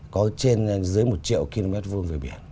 có trên dưới một triệu km vuông về biển